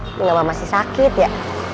ini ngamak masih sakit ya